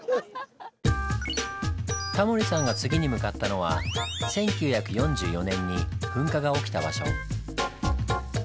タモリさんが次に向かったのは１９４４年に噴火が起きた場所。